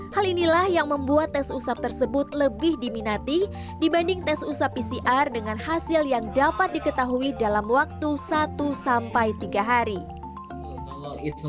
hal inilah yang membuat tes usap tersebut lebih diminati dibanding tes usap pcr dengan hasil yang dapat diketahui dalam waktu satu sampai tiga hari